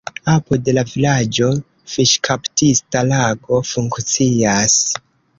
Apud la vilaĝo fiŝkaptista lago funkcias.